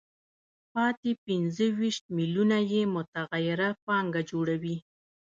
پاتې پنځه ویشت میلیونه یې متغیره پانګه جوړوي